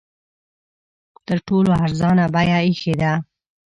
تر ټولو ارزانه بیه ایښې ده.